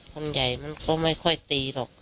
คนใหญ่มันก็ไม่ค่อยตีหรอก